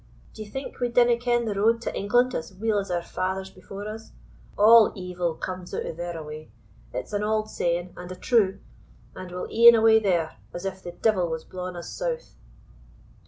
"D'ye think we dinna ken the road to England as weel as our fathers before us? All evil comes out o' thereaway it's an auld saying and a true; and we'll e'en away there, as if the devil was blawing us south."